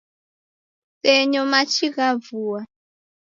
Kusenyo machi gha vua